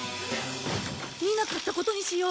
見なかったことにしよう。